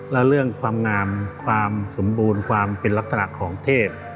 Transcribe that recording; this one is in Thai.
แล้วเรื่องความงามความสมบูรณ์ความเป็นลักษณะของเทศ